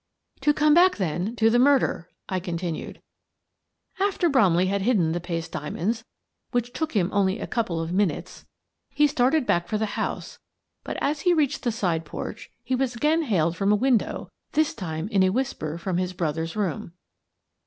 "To come back, then, to the murder," I con tinued. " After Bromley had hidden the paste dia monds — which took him only a couple of minutes 264 Miss Frances Baird, Detective — he started back for the house, but as he reached the side porch he was again hailed from a window — this time in a whisper from his brother's room.